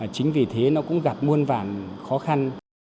chính vì thế nó cũng gặp muôn vàn khó khăn